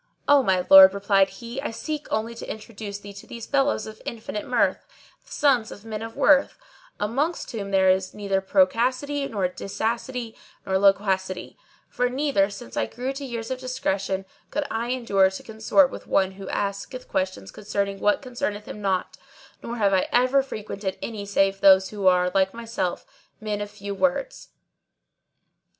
"O my lord," replied he, "I seek only to introduce thee to these fellows of infinite mirth, the sons of men of worth, amongst whom there is neither procacity nor dicacity nor loquacity; for never, since I grew to years of discretion, could I endure to consort with one who asketh questions concerning what concerneth him not, nor have I ever frequented any save those who are, like myself, men of few words.